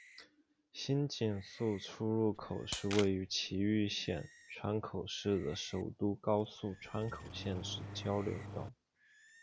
新井宿出入口是位于崎玉县川口市的首都高速川口线之交流道。